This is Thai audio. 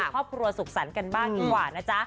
ครอบครัวสุขสรรค์กันบ้างดีกว่านะจ๊ะ